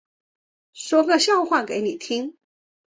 说个笑话给你听